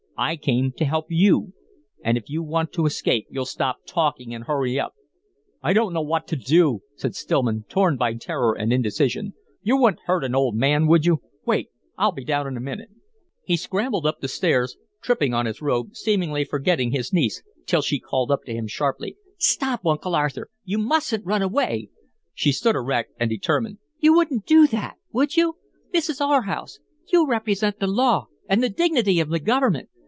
I came to help you, and if you want to escape you'll stop talking and hurry up." "I don't know what to do," said Stillman, torn by terror and indecision. "You wouldn't hurt an old man, would you? Wait! I'll be down in a minute." He scrambled up the stairs, tripping on his robe, seemingly forgetting his niece till she called up to him, sharply: "Stop, Uncle Arthur! You mustn't RUN AWAY." She stood erect and determined, "You wouldn't do THAT, would you? This is our house. You represent the law and the dignity of the government.